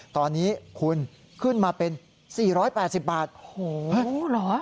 ตอนนี้คุณขึ้นมาเป็นสี่ร้อยแปดสิบบาทโอ้โหเหรอ